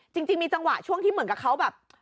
จริงมีจังหวะช่วงที่เหมือนกับเขาแบบ